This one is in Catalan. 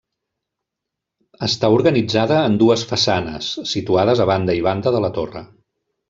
Està organitzada en dues façanes, situades a banda i banda de la torre.